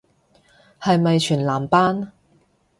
係咪全男班